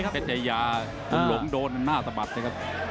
เป็นใยยาตรงหลมโดนหน้าสะบัดเลยครับ